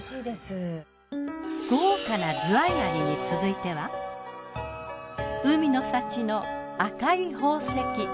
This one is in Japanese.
豪華なズワイガニに続いては海の幸の赤い宝石。